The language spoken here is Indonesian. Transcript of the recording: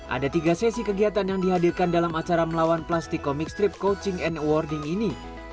ada tiga sesi kegiatan yang dihadirkan dalam acara melawan plastik comic strip coaching and awarding ini